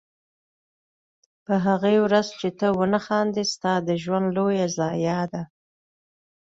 په هغې ورځ چې ته ونه خاندې ستا د ژوند لویه ضایعه ده.